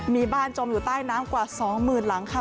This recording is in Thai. มีบ้านจมอยู่ใต้น้ำกว่า๒๐๐๐หลังค่ะ